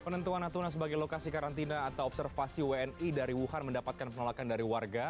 penentuan natuna sebagai lokasi karantina atau observasi wni dari wuhan mendapatkan penolakan dari warga